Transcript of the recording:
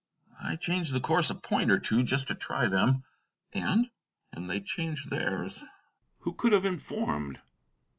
"I changed the course a point or two, just to try them." "And " "And they changed theirs." "Who could have informed?"